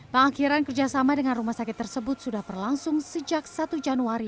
pengakhiran kerjasama dengan rumah sakit tersebut sudah berlangsung sejak satu januari dua ribu sembilan belas